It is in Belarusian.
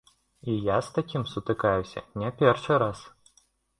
І я з такім сутыкаюся не першы раз.